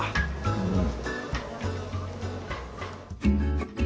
うん。